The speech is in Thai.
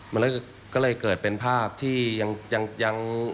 มันก็เลยเกิดเป็นภาพที่ยัง